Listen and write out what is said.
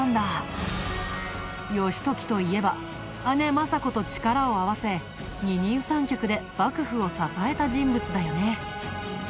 義時といえば姉政子と力を合わせ二人三脚で幕府を支えた人物だよね。